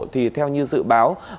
thì theo như dự báo